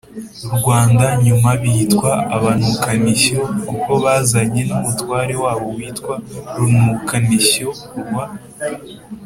rwanda nyuma, bitwa abanukamishyo, kuko bazanye n’umutware wabo witwa runukamishyo rwa